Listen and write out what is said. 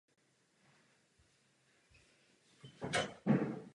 Rozšířena byla na jižním Slovensku a zasahovala dále na jih až do Maďarska.